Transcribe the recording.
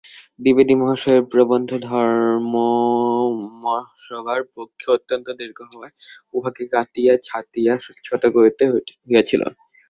দ্বিবেদী মহাশয়ের প্রবন্ধ ধর্মমহাসভার পক্ষে অত্যন্ত দীর্ঘ হওয়ায় উহাকে কাটিয়া ছাঁটিয়া ছোট করিতে হইয়াছিল।